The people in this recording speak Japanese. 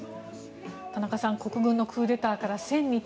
田中さん国軍のクーデターから１０００日。